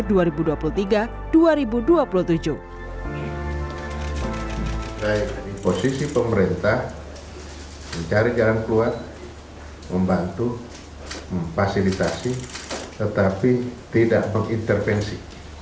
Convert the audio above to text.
dari posisi pemerintah mencari jalan keluar membantu memfasilitasi tetapi tidak mengintervensi